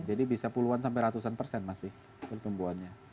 jadi bisa puluhan sampai ratusan persen masih pertumbuhannya